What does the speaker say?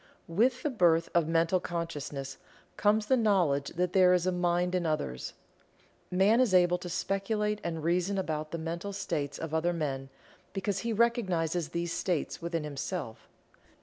With the birth of mental consciousness comes the knowledge that there is a mind in others. Man is able to speculate and reason about the mental states of other men, because he recognizes these states within himself.